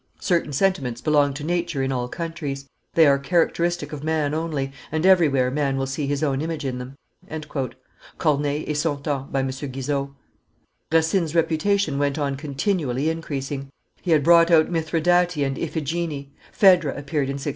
Certain sentiments belong to nature in all countries; they are characteristic of man only, and everywhere man will see his own image in them." [Corneille et son temps, by M. Guizot.] Racine's reputation went on continually increasing; he had brought out Mithridate and Iphigenie; Phedre appeared in 1677.